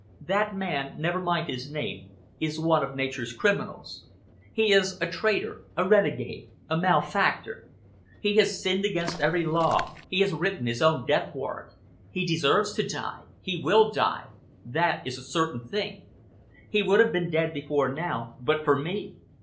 "That man, never mind his name, is one of nature's criminals. He is a traitor, a renegade, a malefactor. He has sinned against every law, he has written his own death warrant. He deserves to die, he will die! That is a certain thing. He would have been dead before now, but for me!